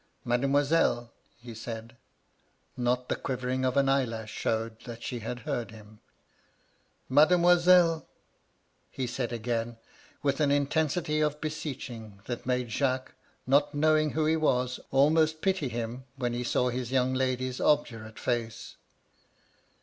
"* Mademoiselle,' he said. Not the quivering of an eyelash showed that she heard him. ^Mademoiselle !' he said again, with an intensity of beseeching that made Jacques — not knowing who he was — almost pity him, when he saw his young lady's obdurate face.